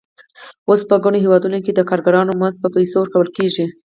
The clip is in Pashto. اوس په ګڼو هېوادونو کې د کارګرانو مزد په پیسو ورکول کېږي